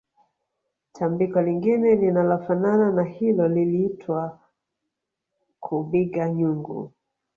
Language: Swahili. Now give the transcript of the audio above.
Tambiko lingine linalofanana na hilo liliitwa kubigha nyungu